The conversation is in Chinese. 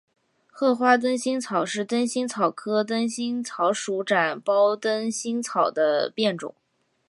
褐花灯心草是灯心草科灯心草属展苞灯心草的变种。